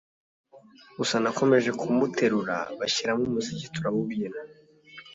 gusa nakomeje kumuterura bashyiramo umuziki tura wubyina